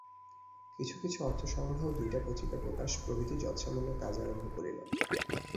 কিছু কিছু অর্থ-সংগ্রহ, দুইটি পত্রিকা প্রকাশ প্রভৃতি যৎসামান্য কাজ আরম্ভ করিলাম।